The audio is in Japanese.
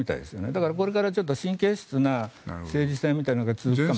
だからこれから神経質な政治戦みたいなのが続きます。